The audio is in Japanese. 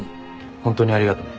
ホントにありがとね。